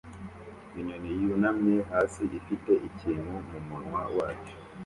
Inyoni yunamye hasi ifite ikintu mumunwa wacyo